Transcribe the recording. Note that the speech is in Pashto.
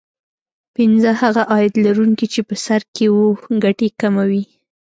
پینځه هغه عاید لرونکي چې په سر کې وو ګټې کموي